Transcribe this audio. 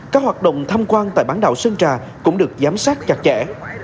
các hoạt động thăm quan tại bán đảo sơn trà cũng được giám sát chặt chẽ